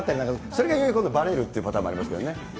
それが逆に今度ばれるっていうパターンもありますけどね。